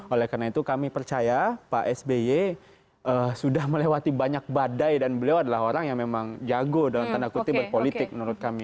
oleh karena itu kami percaya pak sby sudah melewati banyak badai dan beliau adalah orang yang memang jago dalam tanda kutip berpolitik menurut kami